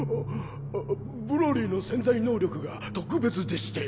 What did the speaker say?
あっブロリーの潜在能力が特別でして。